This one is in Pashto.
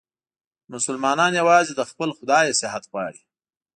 مسلمانان یووازې له خپل خدایه صحت غواړي.